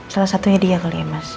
salah satunya dia kali ya mas